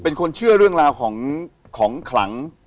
เป็นคนเชื่อเรื่องราวของขลัง